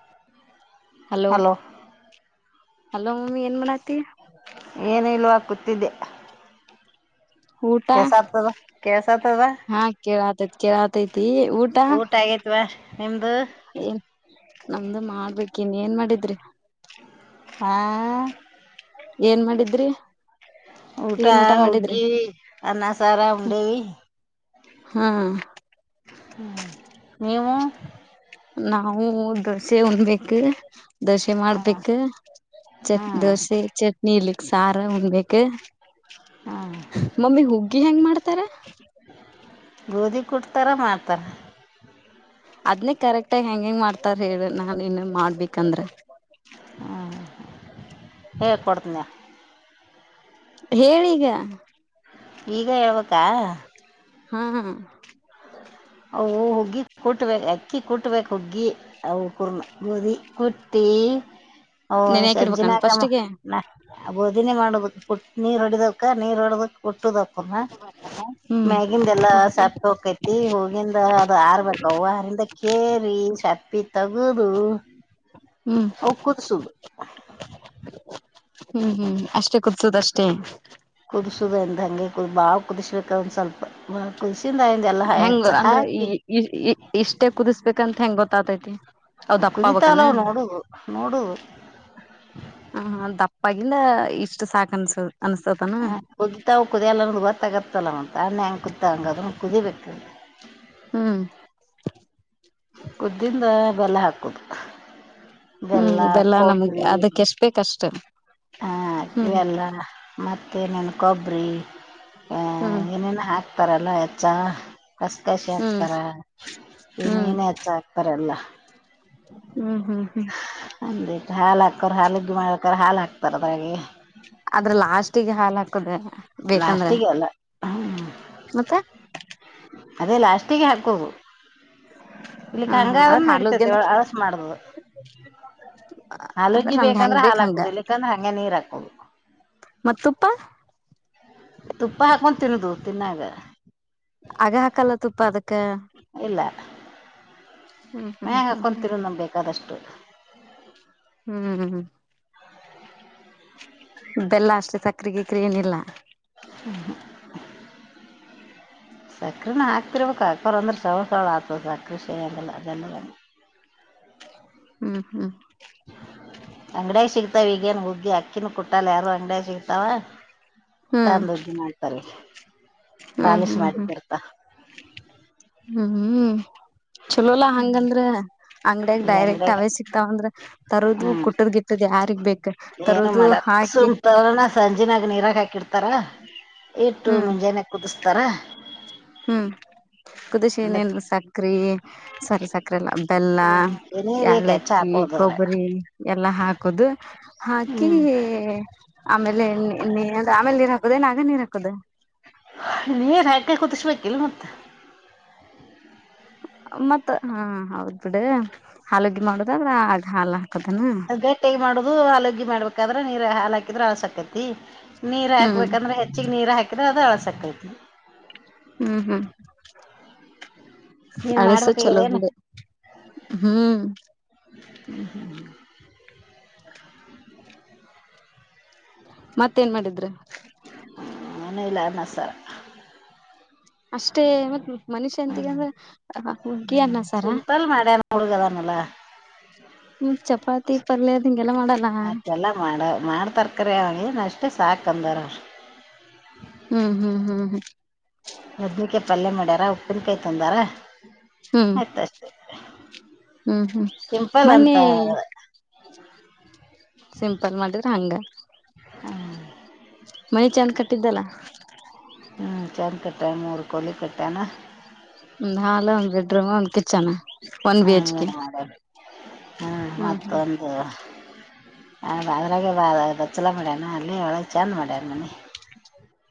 [inaudible] Hello [inaudible] hello mummy ಏನ್ ಮಾಡ್ಕ್ ತಿ ಏನ ಇಲ್ವಾ ಕೂತ್ತಿದ್ದೆ. ಊಟ ಕೆಸ ಆತದ ಕೆಳಸತದ ಹಾ ಕೇಳಾತೈತಿ ಕೇಳಾತೈತಿ ಊಟ ಆಗತಿ. ವ್ಯಾ ನಿಮ್ದ. ನಮ್ದು ಮಾಡ್ಬೇಕಿನ್ ಏನ್ ಮಾಡಿದ್ರಿ ಹ್ಯಾ ಏನ್ ಮಾಡಿದ್ರಿ. ಊಟ ಏನ್ ಮಾಡಿದ್ರಿ ಹುಗ್ಗಿ ಅನ್ನ ಸಾರ ಉಂಡೇವಿ. ಹಾ ಹಾ [inaudible] ನೀವು ನಾವು ದೋಸೆ ಉಣಬೇಕ್. ದೋಸೆ ಮಾಡ್ಬೇಕ ಚಟ್ ಹ್ಮ್ ದೋಸೆ ಚಟ್ನಿ ಯಲ್ಲಿ ಸಾರ ಉಣ್ಣಬೇಕ್ ಹ್ಮ್ ಮಮ್ಮಿ ಹುಗ್ಗಿ ಹೆಂಗ್ ಮಾಡ್ತಾರ. ಗೋಧಿ ಕುಟ್ಟತಾರ್ ಮಾಡತಾರಾ. ಅದ್ನೇ ಕರೆಕ್ಟ ಆಗಿ ಹೆಂಗ್ ಹೆಂಗ್ ಮಾಡ್ತಾರ ಹೇಳ ನಾನ್ ಇನ್ನಮ್ಮೆ ಮಾಡ್ಬೇಕಂದ್ದ್ರ. ಹ ಹೇಳ್ ಕೊಡ್ತೀನಳ್ ಹೇಳ್ ಈಗ ಈಗ ಹೇಳ್ಬೇಕಾ. ಹ್ಮ ಹ ಅವು ಹುಗ್ಗಿ ಕುಟ್ಬೇಕು ಅಕ್ಕಿ ಕುಟ್ಬೇಕ್ ಹುಗ್ಗಿ ಅವುಕುನ್ರ ಗೋದಿ ಕುಟ್ಟಿ ಅವ ನೆನ್ಯಾಕ ಇಡ್ಬೇಕನ್ ಸಂಜಿನಾಗ ಫಸ್ಟಿಗೆ [unintelligible] ಬೋದಿನಿ ಮಾಡ್ಬೇಕ ಪುಟ್ಟ ನೀರ್ ಹೊಡಿದಕ್ಕ ನೀರ್ ಹೊಡದ್ ಕುಟ್ಟುದ ಅವುಕುನ್ರ ಹ್ಮ್ ಮ್ಯಾಗಿಂದೆಲ್ಲ ಎಲ್ಲಾ ಸೆಪ್ಪಿ ಹೊಕ್ಕೈತಿ ಹೊ ಅದು ಆರ್ಬೇಕವು ಅವ್ವ ಆರಿಂದ ಕೇರಿ ಸೆಪ್ಪಿ ತಗದು ಹ್ಮ್. ಅವು ಕುದಸುದು [unintelligible] ಹ್ಮ್ ಹ್ಮ್ ಹು ಅಷ್ಟೇ ಕುದುಸುದಷ್ಟೇ ಕುದುಸೋದು ಅಂದ ಹಂಗೆ ಕು ಬಾಳ ಕುದಿಸ್ಬೇಕು ಅದನ್ ಸ್ವಲ್ಪ ಮ ಕುದಿಸಿಂದಯಂದೆಲ್ಲ ಎಚ್ಚಾ ಹಾಕಿ ಇ ಇ ಇಷ್ಟೇ ಕುದಿಸ್ಬೇಕಂತ ಹೆಂಗ್ ಗೊತ್ತಾತೈತಿ ಅವ್ ದಪ್ಪ ಆಗ್ಬಕನ ಕುದಿತಾವಲ್ಲ್ ನೋಡುದು ನೋಡುದು ಹ ದಪ್ಪಾಗಿಂದ ಇಷ್ಟ ಸಾಕ್ ಅನ್ಸ ಅನ್ಸ್ತತನ ಕುದತಾವ ಕುದಿಯಲ್ಲನ್ನುದ ಗೊತ್ತಾಗತ್ತಲ್ಲ ಮತ್ ಅನ್ನ ಹೆಂಗೆ ಕೂದಿತಾವ್ ಹಂಗ ಅದುನ್ನು ಕುದೀಬೇಕು. ಹ್ಮು. ಕುದ್ದಿಂದ ಬೆಲ್ಲ ಹಾಕೋದು. ಹ್ಮ್ ಬೆಲ್ಲ ನಮ್ಗೆ ಕೊಬ್ಬರಿ ಅದಕ್ ಎಷ್ಟ ಬೇಕಷ್ಟ ಹಾ ಹ್ಮ್ ಎಲ್ಲಾ ಮತ್ತೆನ ನನ್ನ ಕೊಬ್ಬರಿ ಹು. ಏನೆನ್ ಹಾಕ್ತಾರಲ್ಲಾ ಎಚ್ಚಾ ಕಸ್ ಕಸಿ ಹ್ಮ್ ಹಾಕ್ತಾರ ಹ್ಮ್ ಏನೆನ ಎಚ್ಚ ಹಾಕ್ತ ಬರಲ್ಲಾ ಹ್ಮ್ ಹ್ಮ್ ಹ್ಮು. ಒಂದಿಟ್ ಹಾಲ ಹಾಕೋರ್ ಹಾಲುಗ್ಗಿ ಮಾಡ್ಬೆಕಾರ್ ಹಾಲ್ ಹಾಕ್ತಾರ ಅದ್ರೆಗೆನ ಆದ್ರ ಲಾಸ್ಟಿಗೆ ಹಾಲ್ ಹಾಕುದ್ ಬೇಕಂದ್ರೆ ಲಾಸ್ಟಿಗೆ ಅಲ್ಲ ಹ್ಞೂ ಮತ್ತೆ ಅದೇ ಲಾಸ್ಟಿಗೆ ಹಾಕುದು. ಹ ಇಲ್ಲಿಕ ಹ ಹಂಗ ಅವ್ರ ಆದ್ರೂನು ಹಾಲುದ್ಯ ನಡಿತದೆ ಅಲಸು ಮಾಡ್ದುದು ಅಂದ್ರ ಹಾಲುಗ್ಗಿ ನಮ್ಗೆ ಹೆಂಗ್ ಬೇಕಂದ್ರೆ ಬೇಕ್ ಹಾಲ್ ಹಂಗ ಹಾಕುದು ಇಲ್ಲಿಕ್ಕಂದ್ರೆ ಹಂಗೆ ನೀರ್ ಹಾಕುದು. ಮತ್ ತುಪ್ಪಾ ತುಪ್ಪ ಹಾಕೊಂದು ತಿನ್ನೋದು ತಿನ್ನಾವಾಗ ಆಗ ಹಾಕಲ್ಲ ತುಪ್ಪ ಅದಕ್ಕ ಇಲ್ಲಾ ಹ್ಮ್ ಹ್ಮ್ ಮ್ಯಾಗ ಹ್ಮ್ ಹಾಕೊಂಗ ತಿನ್ನುದ ನಮ್ಗ ಬೇಕಾದಷ್ಟು. ಹ್ಮು ಹ ಹ. ಬೆಲ್ಲ ಅಷ್ಟೆ ಸಕ್ಕ್ರೀ ಗಿಕ್ರ ಏನಿಲ್ಲ ಹ್ಮ [inaudible] [inaudible] ಸಕ್ರಿನ ಹಾಕ್ತಿರ್ಬೇಕು ಹಾಕೋರ ಅಂದ್ರೆ ಸೌಳ್ ಸೌಳ್ ಆಗ್ತದೆ ಸಕ್ರರೆ ಸಿವ ಆಗಲ್ಲ ಬೆಲ್ಲದಂಗ. ಹ್ಮ್ ಹ್ಮ್. ಅಂಗಡ್ಯಾಗ ಸಿಗ್ತಾವೀಗೇನ್ ಹುಗ್ಗಿ ಅಕ್ಕಿನ ಕುಟ್ಟಲ್ಲ ಯಾರೋ ಅಂಗಡ್ಯಾಗ ಸಿಗ್ತಾವ ಹ್ಮ್ ತಂದ ಹುಗ್ಗೀ ಮಾಡ್ತಾರೆ ಈಗ ಹ್ಮ್ ಪಾಲಿಶ್ ಹ್ಮ್ ಹ್ಮ್ ಮಾಡಿದ್ದರ್ತ ಹ್ಮ್ ಹ್ಮೂ ಚಲೋಲಾ ಹಂಗಂದ್ರ ಅಂಗಡಿಯಾಗ ಈಗ ಡೈರೆಕ್ಟ್ ಅಂಗಡ್ಯಾಗ ಅವೇ ಸಿಕ್ತಾವಂದ್ರ. ತರೋದು ಹ್ಮ್ ಕುಟ್ಟದ್ ಗಿಟ್ಟದ ಯಾರಿಗ್ ಬೇಕ ತರೋದು ಹಾಕಿ. ತರಾನಾ ಸಂಜೆನಾಗ ನೀರಾಕ್ ಹಾಕಿಡ್ತಾರ ಇಟ್ಟು ಹ್ಮ್ ಮುಂಜಾನೆ. ಕುದಿಸ್ತಾರ. ಹ್ಮ್ ಕುದೀಸಿ ಅಂದ್ರ ಏನ್ ಸಕ್ರಿ ಸಾರಿ ಸಕ್ರಿ ಅಲ್ಲ ಬೆಲ್ಲ. ಏನೇ ಬೇಕ ಹೆಚ್ಚ ಏಲಕ್ಕಿ ಹಾಕೋದವ್ರ ಕೊಬ್ಬರಿ ಎಲ್ಲಾ ಹಾಕುದು ಹಾಕಿ. ಹ್ಮ್ ಆಮೇಲೆ ನೀ ಆಮೇಲೆ ನೀರ್ ಹಾಕುದ ಏನ್ ಆಗ ನೀರ್ ಹಾಕುದ. ನೀರ್ ಹಾಕೆ ಕುದಿಸ್ಬೇಕಿಲ್ಲ ಮತ್ತ. ಮತ್ತ ಹಾ ಹೌದ್ ಬಿಡ ಹಾಲಡ್ಗೆ ಮಾಡುದಾದ್ರೆ ಆಗ ಹಾಲು ಹಾಕುದೇನ್. ಗಟ್ಟಿಯಾಗಿ ಮಾಡುದು ಹಾಲಗಿ ಮಾಡ್ಬೇಕಾದ್ರೆ ನೀರ್ ಹಾಲ ಹಾಕಿದ್ರೆ ಹಸಕತಿ. ನೀರು ಹ್ಮ್ ಹಾಕ್ಬೇಕಂದ್ರೆ ಹೆಚ್ಚಿಗೆ ನೀರು ಹಾಕಿದ್ರೆ ಅದು ಅಳ್ಸಕೈತಿ. ಹ್ಮ್ ಹ್ಮ್ ನೀನ್ ಅಳಸೆ ಚಲೋ ಮಾಡ್ಬೇಕಾಗಿದೇನು ಬಿಡ. ಹ್ಮ್. ಮತ್ತೇನ್ ಮಾಡಿದ್ರ. ಹ್ಮ ಏನ್ ಇಲ್ಲ ಅನ್ನ ಸಾರ್. ಅಷ್ಟೇ ಮತ್ತ ಮನಿ ಶಾಂತಿಃಗ ಅಂದ್ರೆ ಹುಗ್ಗಿ ಅನ್ನಸಾರ. ಹಡುಗದಾನಲ್ಲ. [inaudible] ಹ್ಮ್ ಚಪಾತಿ ಪಲ್ಯ ಅದು ಹಿಂಗೆಲ್ಲ ಮಾಡಲ್ಲ. ಮಾಡೋ ಮಾಡ್ತಾರ ಖರೆ ಅವೇನು ಅಷ್ಟೇ ಸಾಕ ಅಂದ್ರಾವರ. ಹ್ಮ್ ಹ್ಮ್ ಹ್ಮ್ ಹ್ಮ್. ಬದ್ನಿಕೈ ಪಲ್ಯ ಮಾಡ್ಯಾರ ಉಪ್ಪಿನಕಾಯಿ ತಂದಾರ. ಹ್ಮ್ ಆಯ್ತಷ್ಟ ಹ್ಮ್ ಹ್ಮ್ ಸಿಂಪಲ್ ಅಂತ. ಮನ್ನಿ ಸಿಂಪಲ್ ಮಾಡಿದ್ರೆ ಹಂಗ. ಮನೆ ಚೆಂದ್ ಕಟ್ಟಿದ್ದಲ್ಲ. ಹ್ಮ್ ಚಂದ ಕಟ್ಯಾನ್ ಮೂರು ಕೋಳಿ ಕಟ್ಯಾನ್. ಒಂದ ಹಾಲ್ ಒಂದ್ ಬೆಡ್ರೂಮ್ ಒಂದ್ ಕಿಚನ್. ಒನ್ ಹ್ಮ ಬಿ ಹೆಚ್ ಕೆ ಮೂರ್ ಮಾಡ್ಯಾನ್ ಹ್ಮ ಹ್ಮ್ ಹ್ಮ್ ಮತ್ತೊಂದು. ಅದ್ರಾಗೆ ಬ ಬಚ್ಚಲ ಮಾಡ್ಯಾನ ಅಲ್ಲೇ ಒಳಗೆ ಚೆಂದ ಮಾಡ್ಯಾನ್ ಮನಿ.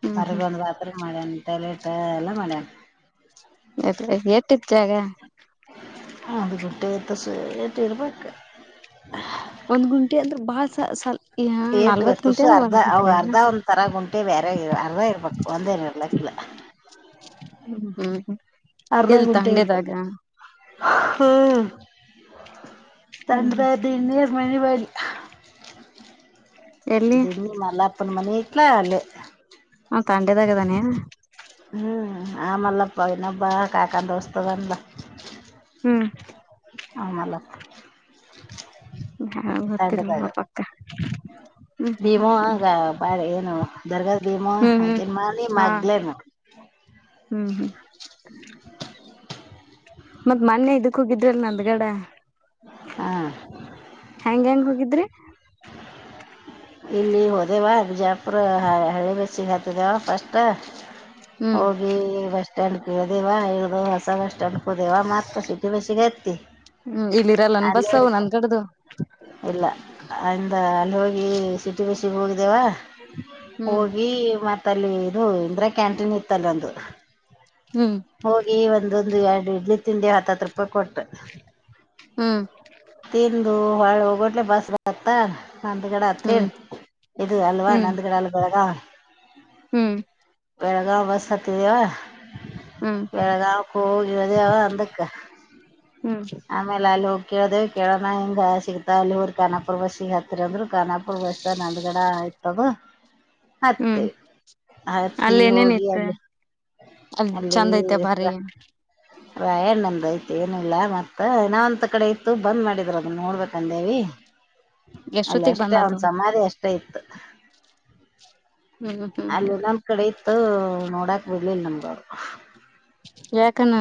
ಹ್ಮ್ ಹೊರಗ ಒಂದ್ ಬಾತ್ರೂಂ ಟಾಯ್ಲೆಟ್ ಎಲ್ಲ ಮಾಡ್ಯನ್. ಮ ಎಷ್ಟ ಇತ್ತ ಜಾಗ. ಒಂದ ಗುಂಟೆ ಆಯಿತೆ ಸುರೆ ಎಷ್ಟ ಇರ್ಬೇಕ. ಒಂದ್ ಗುಂಟೆ ಅಂದ್ರ ಬಾಳ ಸಲ ಸಲ ನಲ್ವತ್ ಗುಂಟೆ ಅಂದ್ರ ಒಂದು ಗುಂಟೆ ಏನ್. ಥರುಂಟೆ ಬೇರೆ ಇ ಅರ್ದ ಇರ್ಬೇಕು ಒಂದೇನ ಇರ್ಲಕ್ಕಿಲ್ಲ. ಹ್ಮ್ ಹ್ಮ್ ಅರ್ಧ ಎಲ್ತ ಗುಂಟೆ ಹಂಡೆದಾಗ. ಇರ್ಬೇಕು ಹ್ಮ್ ಹ್ಮ್ ತಂದ್ರ. ಹ್ಮ್ [unintelligible] ಎಲ್ಲಿ ದಮ ಮಲ್ಲಪ ಮನೆ ಆಯ್ತ್ಲ ಅಲ್ಲೇ. ಹ ತಂಡೆದಾಗ ಅದಾನ್ ಏನ್. ಹ್ಮ್ ಆಮಲ್ಲಪ ಇನ್ನೊಬ್ಬ ಕಾಕನ ದೋಸ್ತ ಅದಾನ್ ಲಾ. ಹ್ಮ್. ಆ ಮಲ್ಲಪ್ಪ. ತಂಡದ ಗೊತ್ತಿಲ್ವ ಪಕ್ಕ ಹ್ಮ್ ಹ್ಮ್ ಭೀಮವ್ವ. ಪಾ ಏನು ದರ್ಗಾದ್ ಭೀಮವ್ವ ಹ್ಮ್ ಹ್ಮ್ ಹಾಗಗೇ ಮಾಲಿ ಹಾ ಮಗ್ಲೇನು. ಹ್ಮ್ ಹ್ಮ್. ಮತ್ ಮೊನ್ನೆ ಇದಕ್ಕ ಹೋಗಿದ್ವಿಅಲ ನಂದ್ಗಡ. ಹ್ಮ ಹೆಯಾಂಗೆ ಹೆಂಗ್ ಹೋಗಿದ್ರಿ ಇಲ್ಲಿ ಹೋದೆೇವ ಬಿಜಾಪುರ ಹಳಿ ಬಚ್ಚಿಗೆ ಹತಿದೆೇವ ಫಸ್ಟ್ ಹ್ಮ್ ಹೋಗಿ ಬಸ್ ಸ್ಟ್ಯಾಂಡ್ ಕೇಳದೇವಾ ಅಸಗಷ್ಟು ಅನ್ಕೋದೆೇವ ಮಾರ್ತ ಸಿಟಿವಸಿಗೆ ತ್ತತಿ ಇರಲ್ಲನ್ ಬಸ್ಸ ಅವವು ನಂದ ಕಡ್ದದು ಇಲ್ಲ ಅಂದ ಅಲ್ಲಿ ಹೋಗಿ ಸಿಟಿ ಬಸಿಗೆ ಹೋಗಿದ್ದೇವಾ ಹ್ಮ್ ಹೋಗಿ ಮತ್ತ ಅಲ್ಲಿ ಇದು ಇಂದ್ರ ಕ್ಯಾಂಟೀನ್ ಇತ್ತಲ್ಲ ಒಂದು ಹ್ಮ್ ಹೋಗಿ ಒಂದೊಂದು ಎರಡು ಇಡ್ಲಿ ತಿಂಡಿ ಹತ್ತ ಹತ್ ರೂಪಾಯಿ ಕೊಟ್ಟು ಹ್ಮ ತಿಂದು ಹಳೆ ಒಗಟ್ಲೆ ಬಸ್ ಬತ್ತ ನಂದಗಡ ಹ್ಮ್ ಹತ್ತೀರ್ ಇದು ಅಲ್ವಾ ಹ್ಮ್ ನಂದಗಡ ಅಲ್ ಬೆಳಗ ಹ್ಮ್ ಬೆಳಗಾವ ಬಸ್ ಹತ್ತಿದವ ಹ್ಮ್ ಬೆಳಗಾವಕ್ಕೆ ಹೋಗಿರದವ ಅರ್ಧಕ್ಕ ಹ್ಮ್ ಆಮೇಲೆ ಅಲ್ಲಿ ಹೋಗಿ ಕೇಳ್ದೇ ಕೇಳೋಣ ಹಿಂಗ ಸಿಗತ ಅಲ್ಲಿ ಹೋಗ್ರ ಕಾನಾಪುರ್ ಬಸ್ಸಿ ಹತ್ತರಂದ್ರರು ಕಾನಾಪುರ್ ಬಸ್ ಸರ್ ನಂದುಗಡ ಆಯ್ತದ ಹ್ಮ್ ಹತ್ತಿ ಅಲ್ಲಿನೇನ ಹೋಗಿ ಇತ್ತು ಅಲ್ಲಿ ಅಲ್ಲಿ ಚಂದ ಐತೆ ಭಾರಿ ವ ಏಂದ ಐತಿ ಏನಿಲ್ಲ ಮತ್ತೆ ಮತ್ತ ನಾವಂತ ಕಡೆ ಇತ್ತು ಬಂದ್ ಮಾಡಿದರುದನ್ನ ನೋಡ್ಬೇಕಂದೇವಿ ಅಲ್ಲ ಎಷ್ಟೊತ್ತಿಗ್ ಅಷ್ಟೇ ಬಂದತ ಅವ್ನ್ ಹ್ಮ್ ಸಮಾಧಿ ಅಷ್ಟೇ ಇತ್ತು ಹ್ಮ್ ಹ್ಮ್ ಹ್ಮ್ ಅಲ್ಲಿಲ್ಲ ಒಂದ್ ಕಡೆ ಇತ್ತು ನೋಡಾಕ್ ಬಿಡ್ಲಿಲ್ಲ ನಮ್ಗ ಅವ್ರು ಯಾಕನ್ನು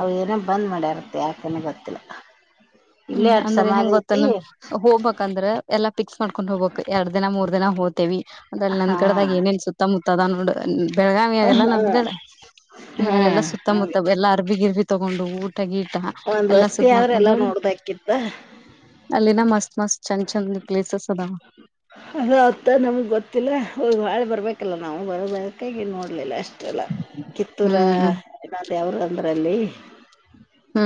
ಅ ಏನೋ ಬಂದ್ ಮಾಡ್ಯಾರತ್ತ ಯಾಕನ ಗೊತ್ತಿಲ್ಲ ಇಲ್ಲೇ ಹ್ಮ್ ಅಟ್ ಅಂದ್ರೆ ಹೆಂಗ ಸಮಾಧಿ ಗೊತ್ತ ಐತಿ ನಮ ಹೋಗ್ಬಕ್ಂದ್ರ ಎಲ್ಲಾ ಫಿಕ್ಸ್ ಮಾಡ್ಕೊಂಡ್ ಹೋಗ್ಬೇಕಕ್ ಎರಡ್ ದಿನ ಮೂರ್ ದಿನ ಹೋಗ್ತೇವಿ ಅದಲ್ಲಿ ಹಾ ನಂದ್ಗಡದಾಗ ಏನೇನ್ ಸುತ್ತಮುತ್ತ ಅದ ನೋಡು ಬೆಳಗಾವಿ ಆಗಲ್ಲ ನಂದ್ಗಡ ಹ್ಮ್ ಹಾ ಅಲ್ಲೆಲ್ಲಾ ಹಂಗೆ ಸುತ್ತಮುತ್ತ ಎಲ್ಲಾ ಅರ್ಬಿಗಿರ್ಬಿ ತಗೊಂಡು ಊಟ ಗೀಟ ಎಲ್ಲಾ ಸುತ್ತ ಮಾಡಾಕ ಕುಡ್ ಹೋದ್ರ ಆಹ ಅಲ್ಲಿನ ಮಸ್ತ್ ಮಸ್ತ್ ಚಂದ್ ಚಂದ್ ಪ್ಲೇಸಸ್ ಅದಾವ ಅದ ಆತ್ತ ನಮ್ಗೆ ಗೊತ್ತಿಲ್ಲ ಹ ಹಾಳೆ ಬರ್ಬೇಕಲ್ಲ ನಾವು ಬರೋದಕ ನೋಡ್ಲಿಲ್ಲ ಅಷ್ಟು ಅಷ್ಟಲ್ಲ ಕಿತ್ತೂರ ಹ್ಮ್ ಇಲ್ಲ ಯಾವರು ಅಂದ್ರಲ್ಲಿ ಹ್ಮ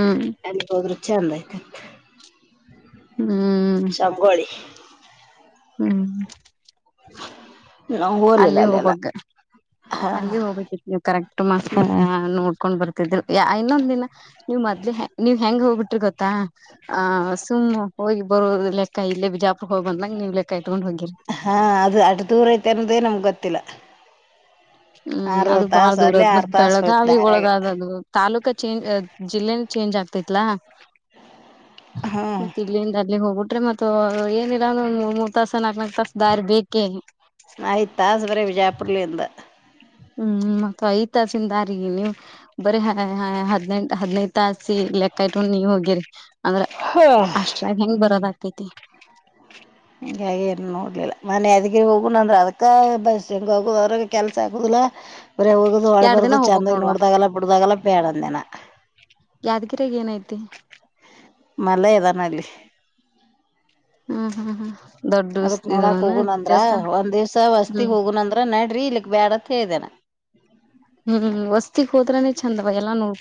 ಎ ಹೋದ್ರು ಚಂದ ಆಯ್ತು ಹ್ಮ ಶಗೋಳಿ ಹ್ಮ್ [unintelligible] ಹೋಗ್ಲಿಲ್ಲ ಅಲ್ಲಿ ಅಲ್ಲೆಲ್ಲ ಹೋಗ್ಬಕ್ ಹಾ ಅಲ್ಲಿ ಹೋಗ್ಬೇಕಿತ್ತು ನೀವು ಕರೆಕ್ಟ್ ನೋಡ್ಕೊಂಡ್ ಬರ್ತಿದಿ ಇನ್ನೊಂದ ದಿನ ನೀವ್ ಮದ್ನೀವ್ ಹೆಂಗ್ ಹೋಗ್ಬಿಟ್ರಿ ಗೊತ್ತಾ ಆಹ ಸುಮ್ಮ್ ಹೋಗಿ ಬರೋ ಲೆಕ್ಕ ಇಲ್ಲೇ ಬಿಜಾಪ್ರ ಹೋಗ್ ಬಂದಂಗಗೆ ನೀವ್ ಲೆಕ್ಕ ಇಟ್ಕೊಂಡ್ ಹೋಗಿರಿ ಹಾ ಅದು ಅದು ದೂರ ಐತೆ ಅನ್ನೋದೇ ನಮ್ಗ್ ಗೊತ್ತಿಲ್ಲ ಹ್ಮ್ ಆರು ಅದು ಬಾಳ ತಾಸ ದೂರ ಅಲ್ಲೇ ಅದ ಆರ್ ಮತ್ತ ತಾಸ ಹೋಯ್ತ್ ಬೆಳಗಾವಿ ದಾರ್ಯಾಗ ಒಳಗಾದ ಅದು ತಾಲೂಕ ಚೇಂಜ್ ಅದ್ ಜಿಲ್ಲೆನು ಚೇಂಜ್ ಆಗ್ತತ್ಲ ಹ್ಮ್ ಮತ್ ಅಲ್ಲಿಂದ ಅಲ್ಲಿಗೆ ಹೋಗ್ಬಿಟ್ರೆ ಮತ್ತು ಏನಿಲ್ಲ ಒಂದ ಮೂರ್ ತಾಸ ನಾಕ್ ನಾಕ್ ತಾಸ ದಾರಿ ಬೇಕೇ. ಆಯ್ತ್ ತಾಸು ಬರೀ ವಿಜಯಪುರ್ಲಿಂದ. ಹ್ಮ ಮತ್ತು ಐತಾಸಿಂದಾರಿಗೆ ನೀವ್. ಬರೆ ಹೆ ಹ ಹದ್ನೇಂಟ್ ಹದಿನೈದು ತಾಸಿಗ್ ಲೆಕ್ಕ ಇಟ್ಕೋಂಡ್ ನೀ ವೊಗೀರಿ. ಅಂದ್ರೆ ಅಷ್ಟ್ರಾಗಿ ಹೆಂಗ್ ಹ್ಮ್ ಬರೋದ ಆಕೈತಿ. ಹಂಗ ಏನ್ ನೋಡ್ಲಿಲ್ಲ ಮನೆ ಅದಗಿ ಹೋಗಣ ಅಂದ್ರ ಅದಕ್ಕ ಬಸ್ ಹೆಂಗ ಹೋಗುದ ಅವ್ರಾಗ ಕೆಲ್ಸ ಆಗುದಿಲ್ಲ. ಬರೆ ಹೋಗುದು ಹೊಳ ಎರಡ್ ದಿನ ಬರ್ದು ಹೋಗ್ಬಕ್ ಚಂದಾಗಿ ನೋಡ್ವಾ ನೋಡ್ದಾಗಲ್ಲ ಬಿಡ್ದಾಗಲ್ಲ ಬೇಡಂದೆನಾ. ಯಾದಗಿರಿಗಿ ಏನೈತಿ. ಮಳ ಇದದಾನ ಅಲ್ಲಿ. ಹ್ಮ್ ಹ್ಮ್ ಹ್ಮ್ ದೊಡ್ಡ ಅದಕ್ ನೋಡಕ್ ಇದನ ಹೋಗುನ ಅಂದ್ರ ದೇವಸ್ಥಾನ ಒಂದಿವ್ಸ ವಸ್ತಿಗ್ ಹ್ಮ್ ಹೋಗುನ ಅಂದ್ರ ನಡ್ರಿ ಇಲ್ಲಿಕ್ ಬ್ಯಾಡತ್ ಹೇಳಿದ್ದೆನಾ. ಹ್ಮ್ ವಸ್ತಿಕ್ ಹೋದ್ರನೆ ಚಂದ ಬ ಎಲ್ಲ ನೋಡ್.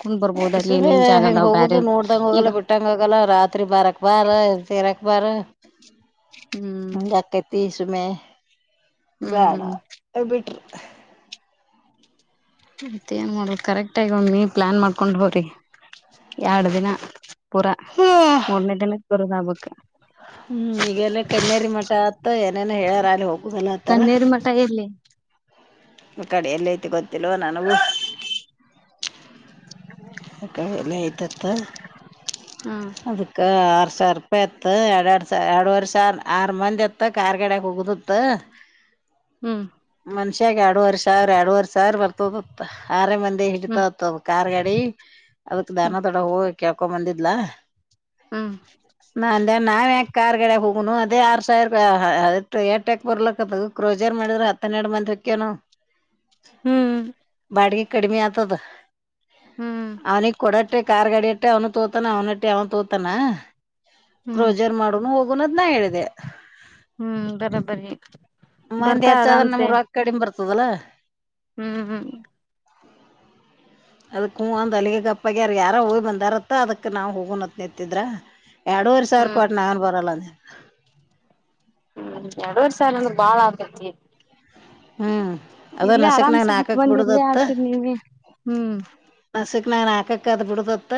ಸುಮ ಹೆಂಗ ಹೋಗುದು ನೋಡ್ದಂಗ ಈಗ ಹೋಗಲ್ಲ ಬಿಟ್ಟಂಗ ಹೋಗಲ್ಲ ರಾತ್ರಿ ಬಾರಕ್ ಬಾರ ತೇರಾಕ್ ಬಾರ. ಹ್ಮ್ ತೀಸಮೆ ಬೇಡ ಹ್ಮ್ ಬಿಟ್ರು. ಮತ್ ಏನ್ ಮಾಡೊದು ಕರೆಕ್ಟ್ ಆಗಿ ಒಮ್ಮಿ ಪ್ಲಾನ್ ಮಾಡ್ಕೊಂಡ್ ಹೋಗ್ರಿ ಎರಡ್ ದಿನ. ಪೂರಾ ಮೂರನೇ ದಿನಕ್ಕೆ ಬರೋದ ಆಗ್ಬೇಕ. ಹ್ಮ್ ಈಗೆಲ್ಲ ಕಣನ್ನೇರಿ ಮಠ ಅತ್ತ ಏನೇನ ಹೇಳ್ಯಾರ ಅಲ್ಲಿ ಹೋಗುದಲ್ಲ ಆತರ. [unintelligible] ಇರ್ಲ್ಲಿ. ಕಡೆ ಎಲ್ಲ ಐತೆ ಗೊತ್ತಿಲ್ಲವೊ ನನಗೂ. ಅ ಕಳ ಎಲೆ ಐತತ್ತ ಹ್ಮ್ ಅದಕ್ಕ್ ಕ ಆರು ಸಾವಿರ ರೂಪಾಯಿ ಇತ್ತು ಎರಡು ಎರಡು ಸಾವಿ ಎರಡವರೆ ಸಾವಿರ ಆರು ಮಂದಿ ಇತ್ತು ಕಾರ್ಗಡಗೆ ಹೋಗೊದಿತ್ತು. ಹ್ಮ್ ಮನ್ಷ್ಯಾಗ ಎರಡುವರೆಶಾವರ ಎರಡುವರೆಸಾವರ ಬರ್ತದತ್ತ ಆರೇ ಮಂದಿ ಹ್ಮ್ ಹಿಡಿತತ್ ಅದು. ಕಾರ್ ಗಾಡಿ ಅದಕ್ ದಾನ ದೊಡವ ಹೋಗಿ ಕೇಳ್ಕೊಂಡ್ ಬಂದಿದ್ಲ. ಹ್ಮ್ ನಾ ಅಂದೆ ನಾವ್ಯಾಕ್ ಕಾರ್ ಗಡೆ ಹೋಗನು ಅದೇ ಆರು ಸಾವಿರ ಎಟಕ್ ಬರ್ಲಕ್ಕತದೊ ಕ್ರೋಜರ್ ಮಾಡಿದ್ರೆ ಹ ಹತ್ತನ್ನೆರಡು ಮಂದಿ ಹೊಗ್ತೀವ್ ನಾವ್ ಹ್ಮ್ ಹ್ಮ್ ಬಾಡಿಗೆ ಕಡಿಮೆ ಆತದ. ಹ್ಮ್ ಅವನಿಗೆ ಕೊಡಟ್ಟೆ ಕಾರ್ ಗಡಿಟ್ಟೆ ಅವ್ನು ತೋತಾನ ಅವನಟ್ಟೆ ಅವ್ನು ತೋತಾನ. ಹ್ಮ್ ಕ್ರೋಜರ್ ಮಾಡುನು ಹೋಗುನು ಅಂತ ನ ಹೇಳಿದ್ದೆ. ಹ್ಮ್ ಬರ ಬರಿ. ಮಂದಿ ಹೆಚ್ಚಾದ್ರೆ ನಮ್ಗ್ ರೋಕ್ ಕಡಿಮೆ ಬರ್ತದಲ್ಲಾ. ಹ್ಮ್ ಹ್ಮ್ ಹ್ಮ್ ಅದಕ್ ಹೂಂ ಅಂದ್ ಅಲ್ಲಿಗೆ ಗಪ್ಪಾಗವರೇ ಯಾರೋ ಹೋಗ್ ಬಂದಾರತ್ತ ಅದಕ್ ನಾವು ಹೋಗೋಣತ್ ನಿಂತ್ತಿದ್ರ. ಎರೂವರೆ ಸಾವಿರ ಹ್ಮ್ ಕೊಟ್ಟ ನಾನು ಬರಲ್ಲ ಅಂದೆ. ಹ್ಮ್ ಎರಡುವರೆ ಸಾವಿರ ಅಂದ್ರೆ ಬಾಳ ಆಗತಿ. ಹ್ಮ್ ಅದ ಇಲ್ಲೇ ನಸಕ್ನಾಗ ಆರಾಮ್ಸೆ ಹತ್ ನಾಕಕ್ ಬಂದ್ ಇಲ್ಲೇ ಬಿಡುದತ್ತ ಆತೀರಿ ನೀವ್ನೀ ಹ್ಮ್. ಹಸಕ್ ನಾನ್ ಹಾಕಕ್ಕದ ಬಿಡದತ.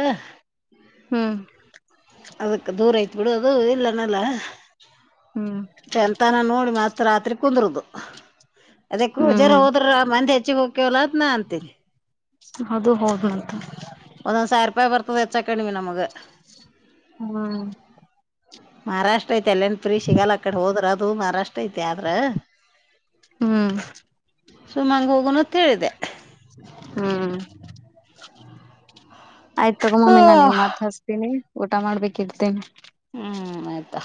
ಹ್ಮ್ ಅದಕ್ಕೆ ದೂರ ಐತ್ ಬಿಡು ಅದು ಇಲ್ಲನಲ್ಲ. ಹ್ಮ್ ಎಂತಾನ ನೋಡಿ ಮತ್ತ ರಾತ್ರಿ ಕುಂದರುದು [unintelligible] ಹ್ಮ್ ಹೋದ್ರ ಮಂದಿ. [unintelligible] ಚ್ಚ ಹೋಕಿವಲ ಅಂತ ನಾ ಅಂದಿ. ಅದು ಹೌದನಂತ. ಒಂದೊಂದ ಸಾವಿರ ರೂಪಾಯಿ ಬರ್ತದೆ ಹೆಚ್ಚಾ ಕಡಿವಿ ನಮಗೆ. ಹ್ಮ್ ಮಹಾರಾಷ್ಟ್ರ ಐತೆ ಅಲ್ಲನ ಫ್ರೀ ಸಿಗಲ್ಲ ಅ ಕಡೆ ಹೋದ್ರ ಅದು ಮಹಾರಾಷ್ಟ್ರ ಐತೆ ಆದ್ರ. ಹ್ಮ್ ಸುಮಂಗ ಹೋಗಣ ಅಂತ ಹೇಳಿದೆ ಹ್ಮ್ ಆಯ್ತು ತಗೋ ಮಮ್ಮಿ ನಾನ ನಿನಗ್ ಮತ್ ಹಸ್ತೀನಿ ಊಟ ಮಾಡ್ಬೇಕ ಇಡ್ತೀನಿ. ಹ್ಮ್ ಆಯ್ತಾ.